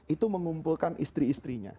itu mengumpulkan istri istrinya